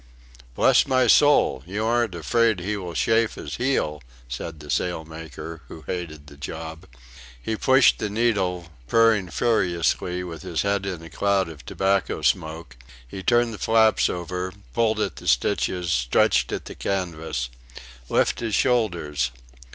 "Bless my soul! you aren't afraid he will chafe his heel?" said the sailmaker, who hated the job. He pushed the needle, purring furiously, with his head in a cloud of tobacco smoke; he turned the flaps over, pulled at the stitches, stretched at the canvas. "Lift his shoulders....